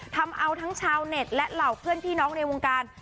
ทำเอาทั้งชาวเน็ตและเหล่าเพื่อนพี่น้องในวงการ